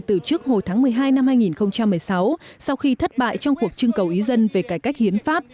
từ trước hồi tháng một mươi hai năm hai nghìn một mươi sáu sau khi thất bại trong cuộc trưng cầu ý dân về cải cách hiến pháp